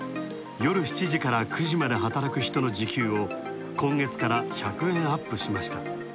夜７時から９時まで働く人の時給を今月から１００円アップしました。